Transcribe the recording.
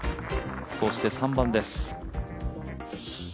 そして３番です。